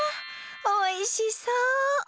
おいしそう！